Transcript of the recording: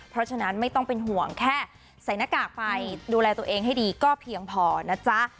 เพราะฉะนั้นไม่ต้องเป็นห่วงแค่ใส่หน้ากากไปดูแลตัวเองให้ดีก็เพียงพอนะจ๊ะ